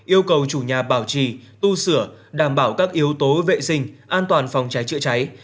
yêu cầu chủ nhà bảo trì tu sửa đảm bảo các yếu tố vệ sinh an toàn phòng cháy chữa cháy